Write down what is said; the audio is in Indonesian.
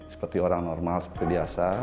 seperti orang normal seperti biasa